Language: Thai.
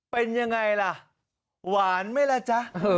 เป็นยังไงล่ะหวานไหมล่ะจ๊ะ